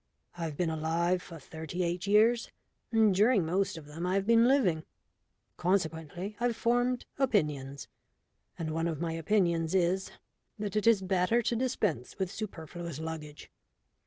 I've been alive for thirty eight years, and during most of them I have been living. Consequently, I've formed opinions, and one of my opinions is that it is better to dispense with superfluous luggage.